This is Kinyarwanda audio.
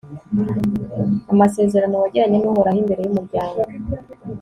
amasezerano, wagiranye n'uhoraho imbere y'umuryango